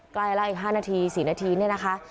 ใกล้แล้วอีก๕นาที๔นาทีเนี่ยนะคะ